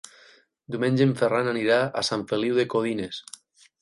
Diumenge en Ferran anirà a Sant Feliu de Codines.